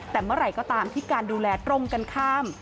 แต่เมื่อไหร่ก็ตามที่การดูแลตรงกันข้าม